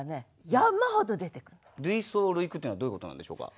類想類句っていうのはどういうことなんでしょうか。